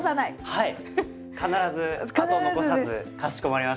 はい。